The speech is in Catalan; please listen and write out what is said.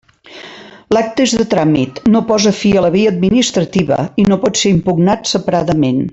L'acte és de tràmit, no posa fi a la via administrativa i no pot ser impugnat separadament.